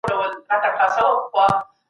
په مځکه کي د عدل او انصاف ټینګښت اړین دی.